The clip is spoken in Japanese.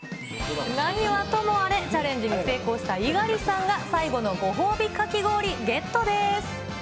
何はともあれ、チャレンジに成功した猪狩さんが、最後のご褒美かき氷ゲットです。